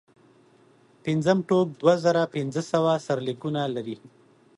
پنځم ټوک دوه زره پنځه سوه سرلیکونه لري.